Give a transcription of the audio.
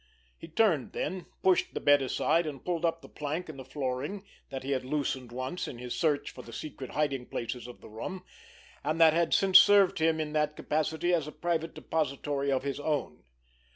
He turned then, pushed the bed aside, and pulled up the plank in the flooring that he had loosened once in his search for the secret hiding places of the room, and that had since served him in that capacity as a private depository of his own.